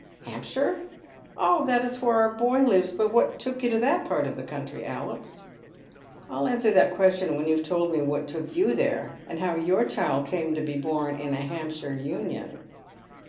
" Hampshire ? Ah, that is where our boy lives. But what took you to that part of the country, Alex ?"" I'll answer that question when you have told me what took you there, and how your child came to be born in a Hampshire Union."